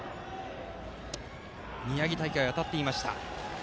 宮城大会は当たっていました。